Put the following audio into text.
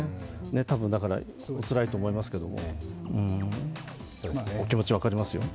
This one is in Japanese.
たぶん、おつらいと思いますけどお気持ち分かりますよ。